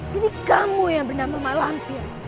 jadi kamu yang bernama malampir